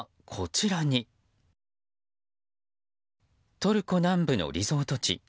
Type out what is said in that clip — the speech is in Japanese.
トルコ南部のリゾート地。